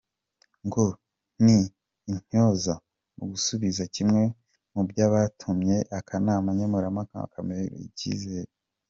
Ngo ni intyoza mu gusubiza, kimwe mu byanatumye akanama nkemurampaka kamugiira icyizere.